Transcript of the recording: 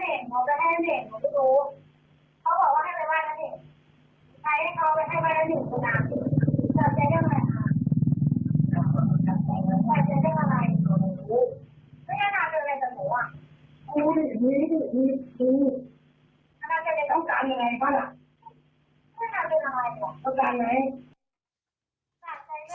เสื้อแดงอาจารย์ไหม